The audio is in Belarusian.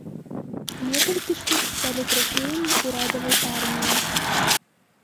Некалькі штук сталі трафеямі ўрадавай арміі.